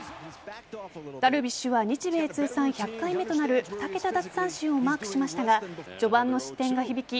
ダルビッシュは日米通算１００回目となる２桁奪三振をマークしましたが序盤の失点が響き